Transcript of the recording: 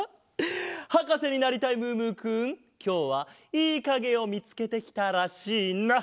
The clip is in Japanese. はかせになりたいムームーくんきょうはいいかげをみつけてきたらしいな。